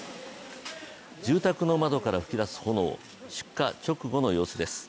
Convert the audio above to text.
住宅の窓から噴き出す炎、出火直後の様子です。